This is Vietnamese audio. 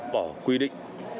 bỏ quy định